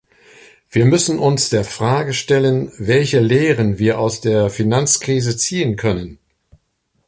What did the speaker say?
Wir müssen uns der Frage stellen, welche Lehren wir aus der Finanzkrise ziehen können.